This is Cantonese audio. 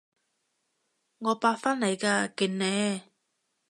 我八返嚟㗎，勁呢？